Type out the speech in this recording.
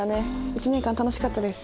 １年間楽しかったです。